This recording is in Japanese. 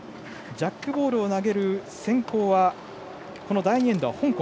ジャックボールを投げる先攻は第２エンドは香港。